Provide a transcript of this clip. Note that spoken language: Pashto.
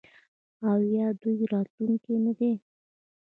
آیا او د دوی راتلونکی نه دی؟